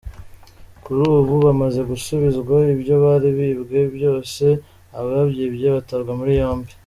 Kuri ubu, bamaze gusubizwa ibyo bari bibwe byose ababyibye batabwa muri yombi.